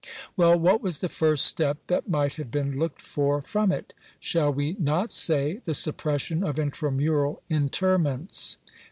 Well, what was the first step that might have been looked for from it ? Shall we not say the suppression of intramural interments